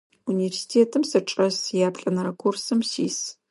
Университетым сычӏэс, яплӏэнэрэ курсым сис.